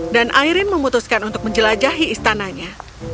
dan airin memutuskan untuk menjelajahi istananya